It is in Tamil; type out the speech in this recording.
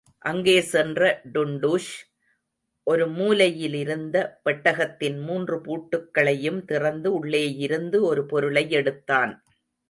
அங்கே சென்ற டுன்டுஷ், ஒரு மூலையிலேயிருந்த பெட்டகத்தின் மூன்று பூட்டுக்களையும் திறந்து உள்ளேயிருந்து ஒரு பொருளையெடுத்தான்.